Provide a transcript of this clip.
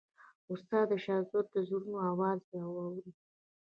استاد د شاګرد د زړونو آواز اوري.